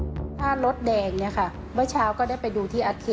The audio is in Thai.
เดี๋ยวคนกำลังกระพร้อมขับคังรถก็จะออก